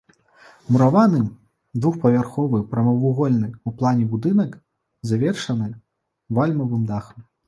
Мураваны двухпавярховы прамавугольны ў плане будынак, завершаны вальмавым дахам.